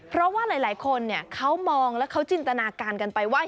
เพราะว่าหลายคนเขามองแล้วเขาจินตนาการกันไปว่า